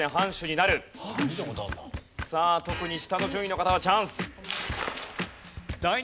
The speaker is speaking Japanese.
さあ特に下の順位の方はチャンス。